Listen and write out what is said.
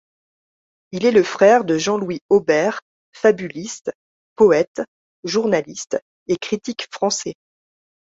Il est le frère de Jean-Louis Aubert fabuliste, poète, journaliste et critique français.